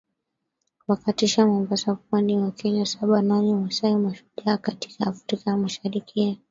wakatisha Mombasa pwani mwa Kenya Saba naneMasai mashujaa katika Afrika ya Mashariki ya